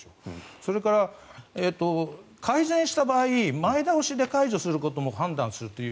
それから改善した場合前倒しで解除することも判断するという。